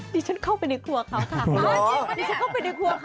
ดิฉันเข้าไปในครัวเค้า